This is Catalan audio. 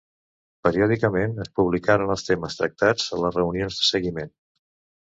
Periòdicament es publicaran els temes tractats a les reunions de seguiment.